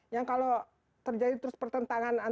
yang kalau terjadi terus pertentangan antara g tujuh dan g delapan